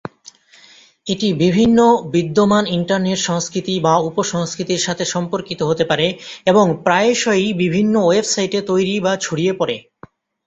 এটি বিভিন্ন বিদ্যমান ইন্টারনেট সংস্কৃতি বা উপ-সংস্কৃতির সাথে সম্পর্কিত হতে পারে, এবং প্রায়শই বিভিন্ন ওয়েবসাইটে তৈরি বা ছড়িয়ে পড়ে।